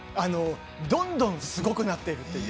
どんどんすごくなっている。